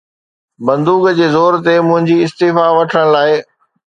بندوق جي زور تي منهنجي استعيفيٰ وٺڻ لاءِ